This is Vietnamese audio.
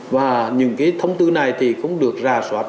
và những cái thông tư này thì không được ra soát